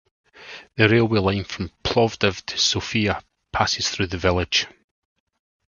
The railway line from Plovdiv to Sofia passes through the village.